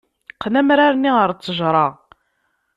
Qqen amrar-nni ɣer ttejra.